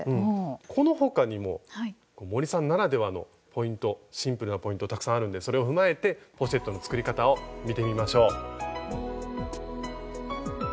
この他にも森さんならではのポイントシンプルなポイントたくさんあるんでそれを踏まえてポシェットの作り方を見てみましょう。